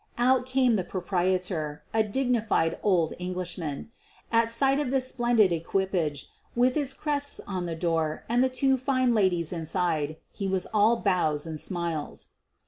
Out came the proprietor, a dignified old English •man. At sight of this splendid equipage with its crests on the door and the two fine ladies inside, he was all bows and smiles.